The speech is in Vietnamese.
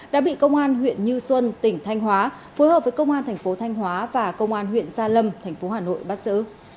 đã bị công an huyện như xuân tỉnh thanh hóa phối hợp với công an thành phố thanh hóa và công an huyện gia lâm thành phố hà nội bắt xử